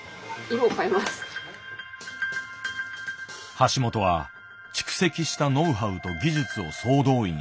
橋本は蓄積したノウハウと技術を総動員して挑んでいく。